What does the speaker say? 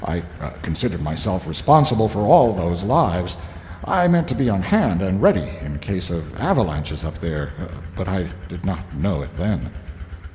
I considered myself responsible for all those lives. I meant to be on hand and ready, in case of avalanches up there, but I did not know it then.